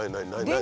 何？